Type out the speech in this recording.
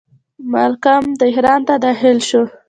مالکم تهران ته داخل شو.